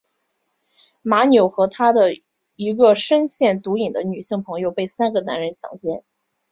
马纽和她的一个深陷毒瘾的女性朋友被三个男人强奸。